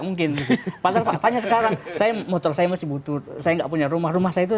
mungkin pasal faktanya sekarang saya motor saya masih butuh saya enggak punya rumah rumah saya itu